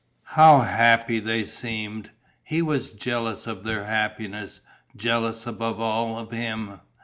How happy they seemed! He was jealous of their happiness, jealous above all of him.